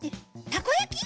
たこやき？